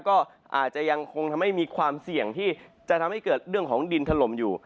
ก็อาจจะยังคงทำให้มีความเสี่ยงที่จะทำให้เกิดเรื่องของดินถล่มอยู่